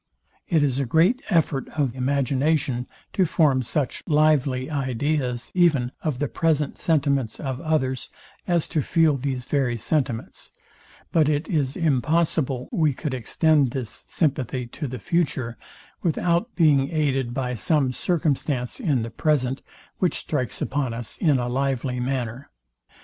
It is a great effort of imagination, to form such lively ideas even of the present sentiments of others as to feel these very sentiments; but it is impossible we could extend this sympathy to the future, without being aided by some circumstance in the present, which strikes upon us in a lively manner.